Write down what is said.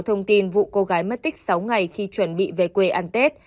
thông tin vụ cô gái mất tích sáu ngày khi chuẩn bị về quê ăn tết